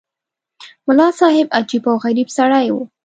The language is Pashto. ملا صاحب عجیب او غریب سړی وو.